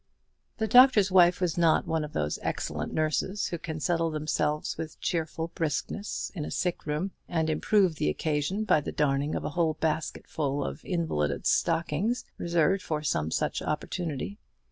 The Doctor's Wife was not one of those excellent nurses who can settle themselves with cheerful briskness in a sick room, and improve the occasion by the darning of a whole basketful of invalided stockings, reserved for some such opportunity.